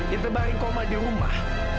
ditebari koma di rumah